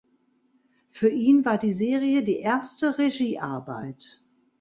Für ihn war die Serie die erste Regiearbeit.